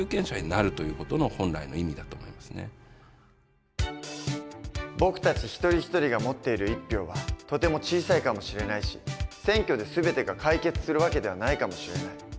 社会の中で僕たち一人一人が持っている１票はとても小さいかもしれないし選挙で全てが解決する訳ではないかもしれない。